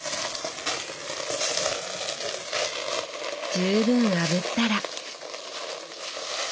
十分あぶったら。